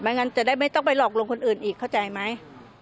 งั้นจะได้ไม่ต้องไปหลอกลวงคนอื่นอีกเข้าใจไหม